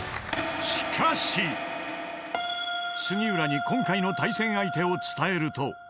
［杉浦に今回の対戦相手を伝えると］